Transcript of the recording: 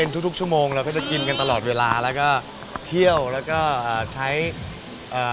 ทุกทุกชั่วโมงเราก็จะกินกันตลอดเวลาแล้วก็เที่ยวแล้วก็เอ่อใช้เอ่อ